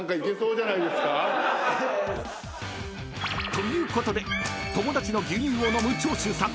［ということで友達の牛乳を飲む長州さん］